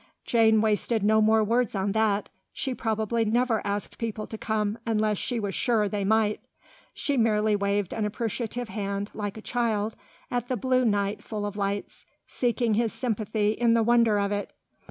Jane wasted no more words on that; she probably never asked people to come unless she was sure they might. She merely waved an appreciative hand, like a child, at the blue night full of lights, seeking his sympathy in the wonder of it.